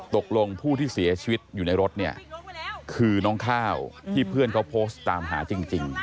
ตกลงผู้ที่เสียชีวิตอยู่ในรถเนี่ยคือน้องข้าวที่เพื่อนเขาโพสต์ตามหาจริง